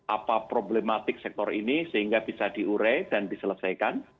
apa problematik sektor ini sehingga bisa diurai dan diselesaikan